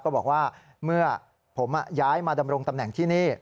ก็บอกว่าเมื่อผมย้ายมาดำรงตำแหน่งที่นี่